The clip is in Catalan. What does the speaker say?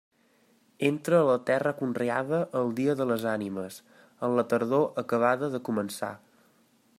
Entra a la terra conreada el dia de les Ànimes, en la tardor acabada de començar.